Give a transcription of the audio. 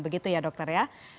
begitu ya dokter ya